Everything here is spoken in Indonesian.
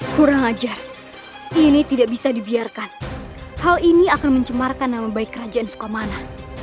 kurang ajar ini tidak bisa dibiarkan hal ini akan mencemarkan nama baik kerajaan sukamana